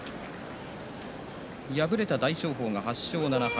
敗れた大翔鵬８勝７敗。